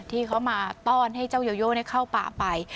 ที่เขามาต้อนให้เจ้าโยโยเข้าป่าไป